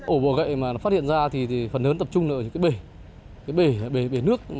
ổ bỏ gậy mà nó phát hiện ra thì phần lớn tập trung là ở những cái bể cái bể nước